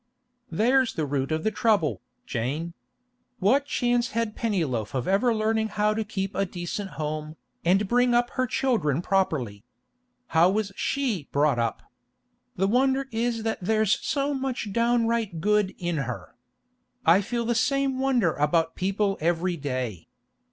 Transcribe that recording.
'There's the root of the trouble, Jane. What chance had Pennyloaf of ever learning how to keep a decent home, and bring up her children properly? How was she brought up? The wonder is that there's so much downright good in her; I feel the same wonder about people every day.